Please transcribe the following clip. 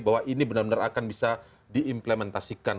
bahwa ini benar benar akan bisa diimplementasikan